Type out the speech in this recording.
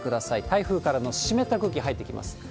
台風からの湿った空気入ってきます。